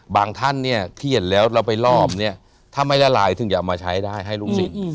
ท่านเนี่ยที่เห็นแล้วเราไปลอบเนี่ยถ้าไม่ละลายถึงจะเอามาใช้ได้ให้ลูกศิษย์